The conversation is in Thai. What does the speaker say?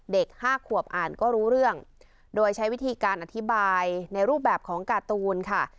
ห้าขวบอ่านก็รู้เรื่องโดยใช้วิธีการอธิบายในรูปแบบของการ์ตูนค่ะ